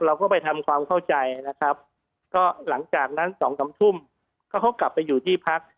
เราก็ไปทำความเข้าใจนะครับก็หลังจากนั้นสองสามทุ่มก็เขากลับไปอยู่ที่พัก